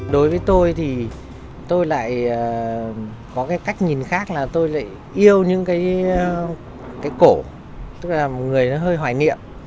đối với tôi thì tôi lại có cái cách nhìn khác là tôi lại yêu những cái cổ tức là người nó hơi hoài nghiệm